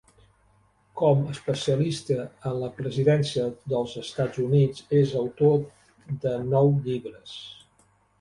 Com especialista en la presidència dels Estats Units, és autor de nou llibres.